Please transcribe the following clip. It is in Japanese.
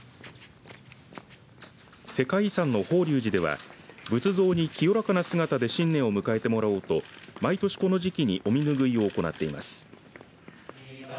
世界遺産の法隆寺では仏像に清らかな姿で新年を迎えてもらおうと毎年この時期にお身拭いを行っています。